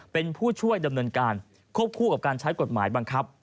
เป็นผู้ช่วยดำเนินการควบคู่กับการใช้กฎหมายบังคับ